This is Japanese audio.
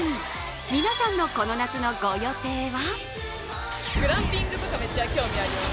皆さんのこの夏のご予定は？